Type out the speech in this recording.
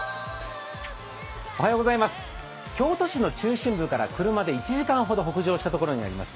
京都市の中心部から車で１時間ほど北上したところにあります